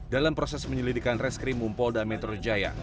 dalam proses penyelidikan reskrim mumpolda metro jaya